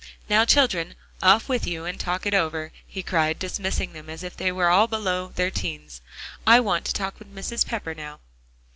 Now, children, off with you and talk it over," he cried, dismissing them as if they were all below their teens. "I want to talk with Mrs. Pepper now."